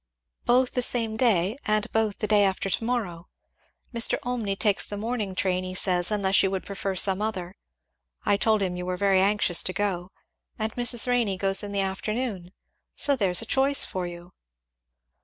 "Both the same day, and both the day after to morrow. Mr. Olmney takes the morning train, he says, unless you would prefer some other, I told him you were very anxious to go, and Mrs. Renney goes in the afternoon. So there's a choice for you."